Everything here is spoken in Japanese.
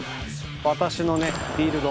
私のねフィールド